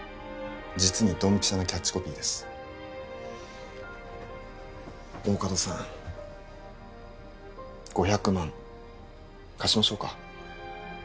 実にドンピシャなキャッチコピーです大加戸さん５００万貸しましょうか？